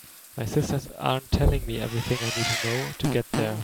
My sisters aren’t telling me everything I need to know to get there.